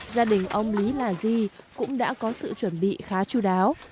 gia đình ông lý là di cũng đã có sự chuẩn bị khá chú đáo